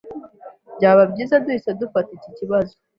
Byaba byiza duhise dufata iki kibazo.